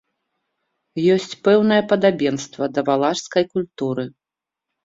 Ёсць пэўнае падабенства да валашскай культуры.